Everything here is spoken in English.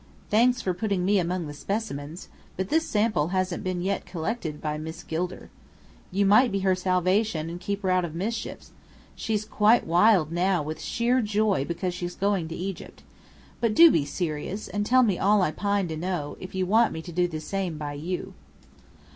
"Thanks for putting me among the 'specimens.' But this sample hasn't yet been collected by Miss Gilder." "You might be her salvation, and keep her out of mischief. She's quite wild now with sheer joy because she's going to Egypt. But do be serious, and tell me all I pine to know, if you want me to do the same by you."